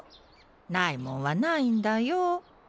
ないもんはないんだよ。